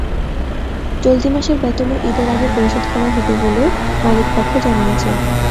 চলতি মাসের বেতনও ঈদের আগে পরিশোধ করা হবে বলে মালিকপক্ষ জানিয়েছে।